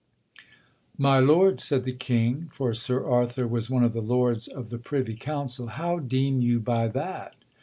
'My lord,' said the King, (for Sir Arthur was one of the lords of the privy council), 'how deem you by that?'